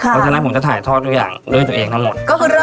เพราะฉะนั้นผมจะถ่ายทอดทุกอย่างด้วยตัวเองทั้งหมด